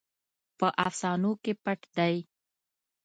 په افسانو کې پټ دی.